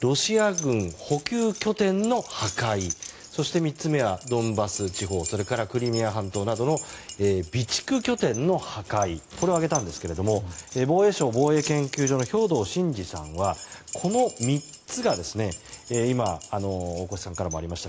ロシア軍補給拠点の破壊そして３つはドンバス地方それからクリミア半島などの備蓄拠点の破壊を挙げたんですが防衛省防衛研究所の兵頭慎治さんはこの３つが今大越さんからもありました